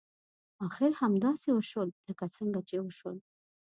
اخر همداسې وشول لکه څنګه چې وشول.